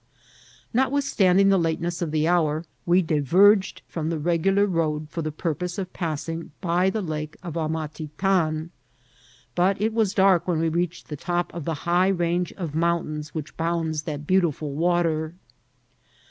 Notwithstanding the lateness of the hour, we diver<» ged from the regular road for the purpose of passing by the Lake of Amatitan, but it was dark when we reached the top of the high rai^ of mountains which bounds that beanliful water.